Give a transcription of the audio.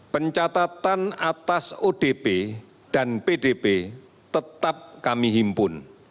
pencatatan atas odp dan pdp tetap kami himpun